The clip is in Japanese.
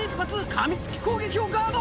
かみつき攻撃をガード